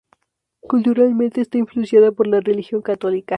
Culturalmente está influenciada por la religión católica.